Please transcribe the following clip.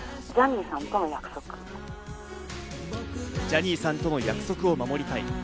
ジャニーさんとの約束を守りたい。